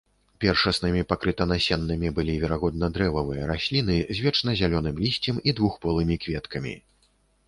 Першаснымі пакрытанасеннымі былі, верагодна, дрэвавыя расліны з вечназялёным лісцем і двухполымі кветкамі.